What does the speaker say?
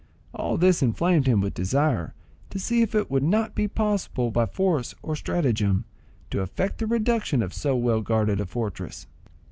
All this inflamed him with desire to see if it would not be possible, by force or stratagem, to effect the reduction of so well guarded a fortress.